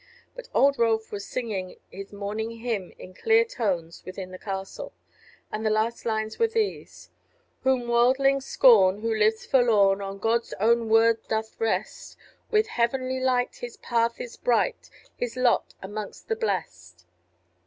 But old Rolf was singing his morning hymn in clear tones within the castle, and the last lines were these: "Whom worldlings scorn, Who lives forlorn, On God's own word doth rest; With heavenly light His path is bright, His lot among the blest."